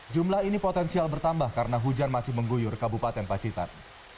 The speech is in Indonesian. jumlah ini potensial bertambah karena hujan masih mengguyur kabupaten pacitan